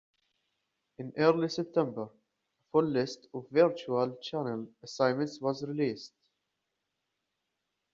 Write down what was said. In early September, a full list of virtual channel assignments was released.